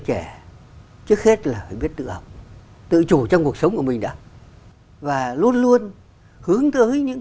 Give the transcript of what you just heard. trẻ trước hết là phải biết tự học tự chủ trong cuộc sống của mình đã và luôn luôn hướng tới những